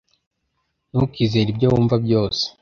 Ntukizere ibyo wumva byose